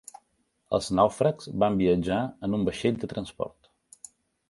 Els nàufrags van viatjar en un vaixell de transport.